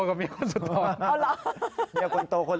มันไม่รู้มันไม่รู้